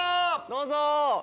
どうぞ！